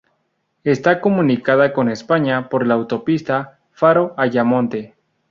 Está comunicada con España por la autopista Faro-Ayamonte.